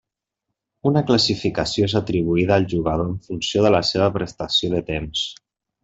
Una classificació és atribuïda al jugador en funció de la seva prestació de temps.